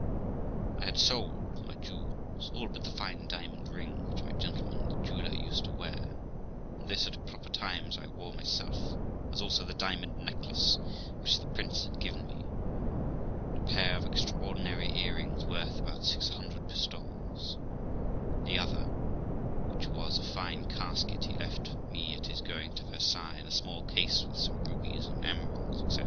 I had sold my jewels, all but the fine diamond ring which my gentleman, the jeweller, used to wear, and this, at proper times, I wore myself; as also the diamond necklace which the prince had given me, and a pair of extraordinary earrings worth about 600 pistoles; the other, which was a fine casket, he left with me at his going to Versailles, and a small case with some rubies and emeralds, etc.